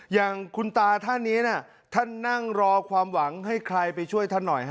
อย่างคุณตาท่านนี้ท่านนั่งรอความหวังให้ใครไปช่วยท่านหน่อยฮะ